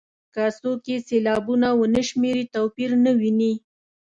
که څوک یې سېلابونه ونه شمېري توپیر نه ویني.